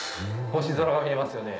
星空が見えますよね。